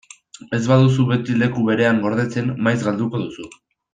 Ez baduzu beti leku berean gordetzen, maiz galduko duzu.